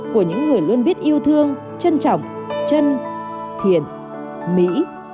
của những người luôn biết yêu thương trân trọng chân thiện mỹ